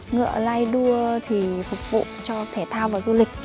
ngựa lai đua thì phục vụ cho thể thao và du lịch